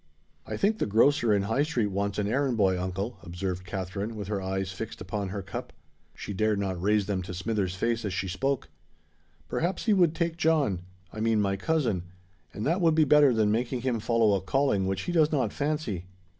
"I think the grocer in High Street wants an errand boy, uncle," observed Katherine, with her eyes fixed upon her cup—she dared not raise them to Smithers' face as she spoke: "perhaps he would take John—I mean my cousin—and that would be better than making him follow a calling which he does not fancy."